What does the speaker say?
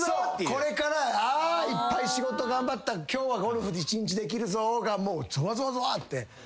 これからあいっぱい仕事頑張った今日はゴルフ一日できるぞがもうゾワゾワゾワって。